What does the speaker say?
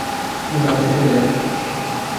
তিনি দামেস্কে চলে যান।